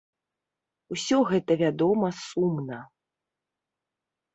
Усё гэта, вядома, сумна.